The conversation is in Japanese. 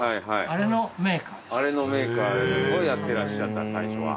あれのメーカーをやってらっしゃった最初は。